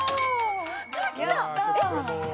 やった。